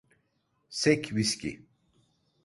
Sek viski.